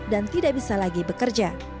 dan tidak bisa lagi bekerja